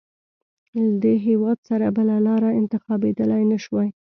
له دې هېواد سره بله لاره انتخابېدلای نه شوای.